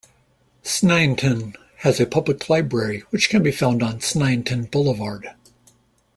Sneinton has a public library, which can be found on Sneinton Boulevard.